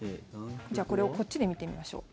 じゃあこれをこっちで見てみましょう。